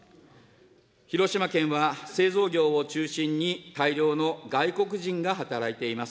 広島県は、製造業を中心に、大量の外国人が働いています。